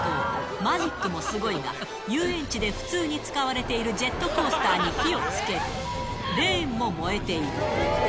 マジックもすごいが、遊園地で普通に使われているジェットコースターに火をつけ、レーンも燃えている。